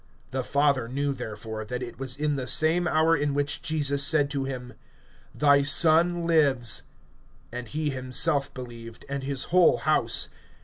(53)The father knew, therefore, that it was in the same hour in which Jesus said to him: Thy son lives. And he himself believed, and his whole house.